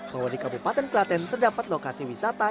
bahwa di kabupaten klaten terdapat lokasi wisata